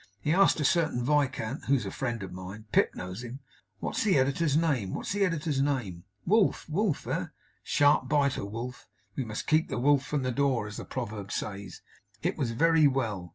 He asked a certain Viscount, who's a friend of mine Pip knows him "What's the editor's name, what's the editor's name?" "Wolf." "Wolf, eh? Sharp biter, Wolf. We must keep the Wolf from the door, as the proverb says." It was very well.